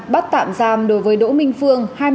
bắt tạm giam đối với đỗ minh phương